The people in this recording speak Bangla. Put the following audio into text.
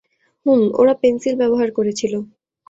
হুম, ওরা পেন্সিল ব্যবহার করেছিল।